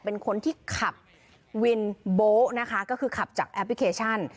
เป็นคนที่ขับวินโบ๊ะนะคะก็คือขับจากแอปพลิเคชัน